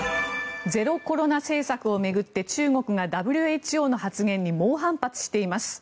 ゼロコロナ政策を巡って中国がＷＨＯの発言に猛反発しています。